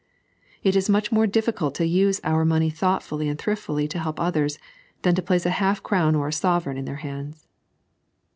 It is much more difficult to use our money thoughtfully and thriftily to help others than to place half a crown or a sovereign in their hands.